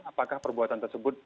apakah perbuatan tersebut